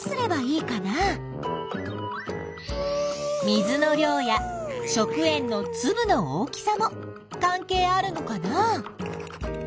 水の量や食塩のつぶの大きさも関係あるのかな？